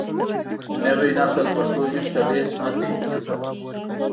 نوی نسل پښتو ژبې ته ډېر ژمن دی شکر